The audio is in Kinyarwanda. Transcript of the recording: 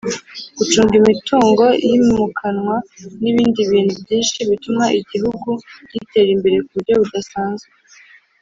gucunga imitungo yimukanwa n ibindi bintu byinshi bituma igihugu gitera imbere kuburyo budasanzwe